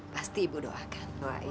pasti bu doakan